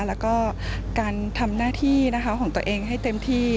แล้วก็การทำหน้าที่ของตัวเองให้เต็มที่